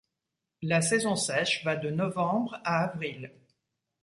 La saison sèche va de novembre à avril.